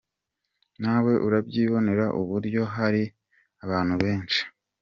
Nawe urabyibonera uburyo hari abantu benshi.